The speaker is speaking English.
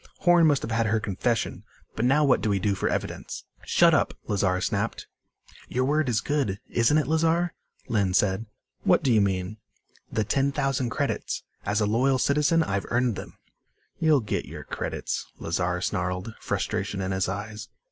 "Horn must have had her confession. But now what do we do for evidence?" "Shut up!" Lazar snapped. "Your word is good, isn't it, Lazar?" Lynn said. "What do you mean?" "The ten thousand credits. As a loyal citizen I've earned them." "You'll get your credits," Lazar snarled, frustration in his eyes.